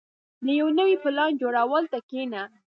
• د یو نوي پلان جوړولو ته کښېنه.